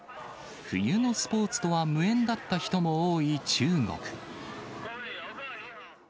冬のスポーツとは無縁だった人も多い中国。